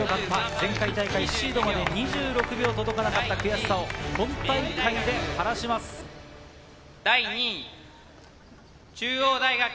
前回大会シードまで２６秒届かなかった悔しさを本大会で晴らしま第２位、